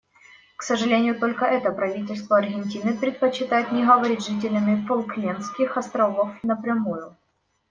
К сожалению, только это правительство Аргентины предпочитает не говорить с жителями Фолклендских островов напрямую.